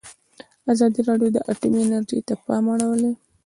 ازادي راډیو د اټومي انرژي ته پام اړولی.